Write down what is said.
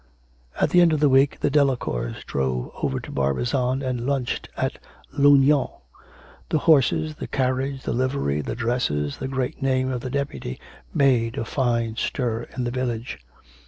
At the end of the week the Delacours drove over to Barbizon and lunched at Lunions. The horses, the carriage, liveries, the dresses, the great name of the Deputy made a fine stir in the village.